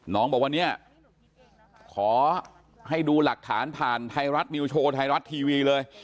น้องบอกว่าเนี่ยขอให้ดูหลักฐานผ่านไทยรัฐนิวโชว์ไทยรัฐทีวีเลย